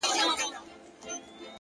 خپل ژوند په ارزښتونو برابر کړئ,